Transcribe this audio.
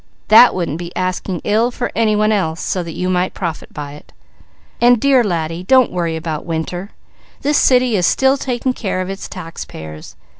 That wouldn't be asking ill for anyone else so that you might profit by it. And dear laddie, don't worry about winter. This city is still taking care of its taxpayers.